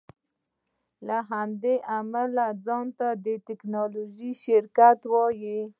له همدې امله ځان ته د ټیکنالوژۍ شرکت وایې